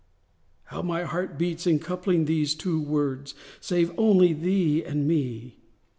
How my heart beats in coupling those two words!) Save only thee and me.